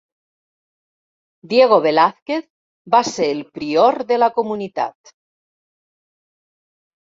Diego Velázquez va ser el prior de la comunitat.